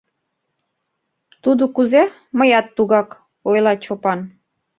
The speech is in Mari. Тудо кузе, мыят тугак, — ойла Чопан.